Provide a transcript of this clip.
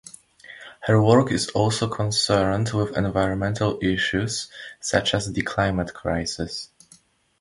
Her work is also concerned with environmental issues such as the climate crisis.